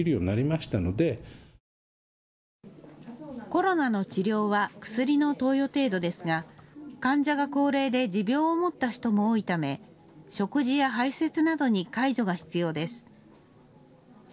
コロナの治療は薬の投与程度ですが患者が高齢で持病を持った人も多いため食事や排せつなどに介助が必要です。